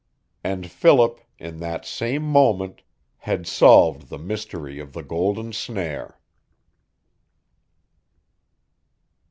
And Philip, in that same moment, had solved the mystery of the golden snare.